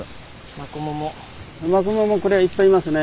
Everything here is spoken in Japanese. マコモもこれはいっぱいいますね。